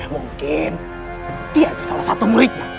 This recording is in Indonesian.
mungkin dia salah satu muridnya